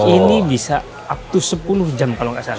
ini bisa uptus sepuluh jam kalau nggak salah